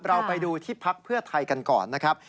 เราไปดูที่พักเพื่อไทยกันก่อนนะครับ